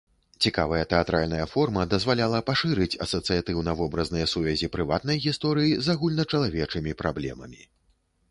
Цікавая тэатральная форма дазваляла пашырыць асацыятыўна-вобразныя сувязі прыватнай гісторыі з агульначалавечымі праблемамі.